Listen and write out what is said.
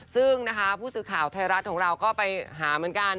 ซึ่งนะคะผู้สื่อข่าวไทยรัฐของเราก็ไปหาเหมือนกัน